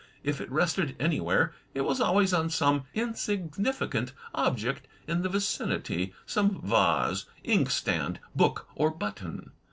If it rested anywhere, it was always on some insignificant object in the vicinity, some vase, inkstand, book, or button.